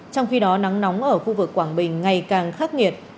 trong khi đó nắng nóng ở khu vực quảng bình ngày càng khắc nghiệt